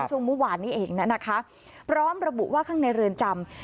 ตรงมุมวานนี้เองน่ะนะคะร้องระบุว่าข้างในเรือนจำ